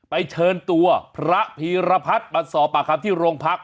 ไปเชิญตัวพระภีรพัฒน์มาสอบประคับที่โรงพักษณ์